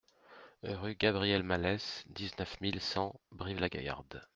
Rue Gabriel Malès, dix-neuf mille cent Brive-la-Gaillarde